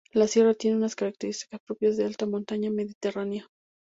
La sierra tiene unas características propias de alta montaña mediterránea.